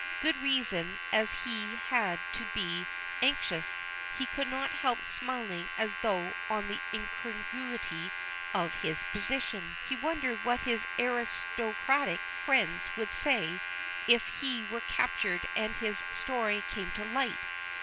Good reason as he had to be anxious, he could not help smiling as he thought of the incongruity of his position. He wondered what his aristocratic friends would say if he were captured and his story came to light.